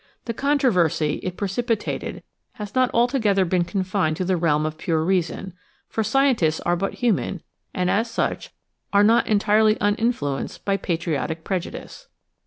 The controversy it precipi tated has not altogether been confined to the realm of pure reason, for scientists are but human and as such are not entirely uninfluenced by patriotic prejudice.